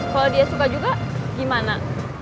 kalau dia suka juga gimana